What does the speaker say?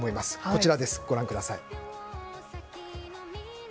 こちら、ご覧ください。